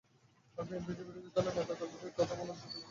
আর বিএনপিসহ বিরোধী দলের নেতা কর্মীদের কথা বলার সুযোগ দিচ্ছে না।